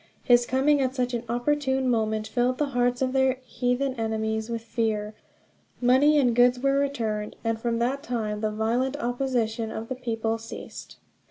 His coming at such an opportune moment filled the hearts of their heathen enemies with fear. Money and goods were returned, and from that time the violent opposition of the people ceased.